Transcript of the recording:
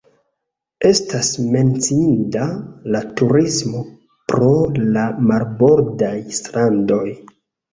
Estas menciinda la turismo pro la marbordaj strandoj.